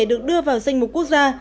được đưa vào danh mục quốc gia